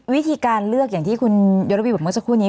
วิธีการเลือกอย่างที่คุณยศระวีบอกเมื่อสักครู่นี้